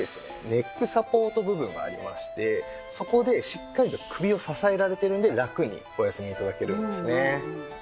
ネックサポート部分がありましてそこでしっかりと首を支えられているのでラクにお休み頂けるんですね。